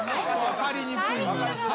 分かりにくい。